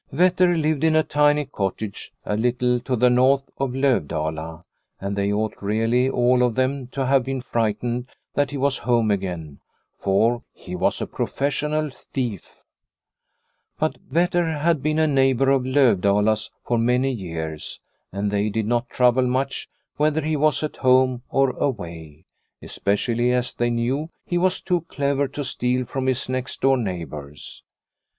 Vetter lived in a tiny cottage, a little to the north of Lovdala, and they ought really all of them to have been frightened that he was home again, for he was a professional thief. But Vetter had been a neighbour of Lovdala's for many years, and they did not trouble much whether he was at home or away, especially as they knew he was too clever to steal from his next door neighbours.